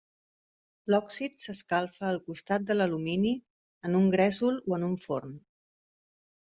L'òxid s'escalfa al costat de l'alumini en un gresol o en un forn.